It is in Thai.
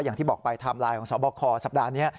อย่างที่บอกไปไทม์ไลน์ของสบคสัปดาห์นี้